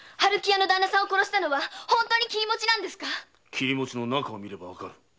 切餅の中を見ればわかる。